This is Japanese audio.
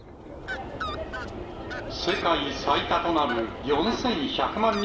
世界最多となる４１００万人